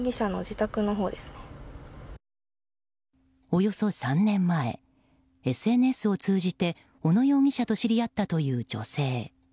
およそ３年前ＳＮＳを通じて小野容疑者と知り合ったという女性。